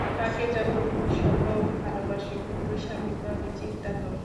তাঁকে যতদূর সম্ভব ভালবাস, কিন্তু স্বাধীনভাবে চিন্তা কর।